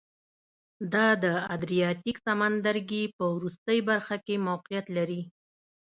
دا د ادریاتیک سمندرګي په وروستۍ برخه کې موقعیت لري